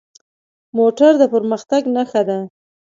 موټر د پرمختګ نښه ده.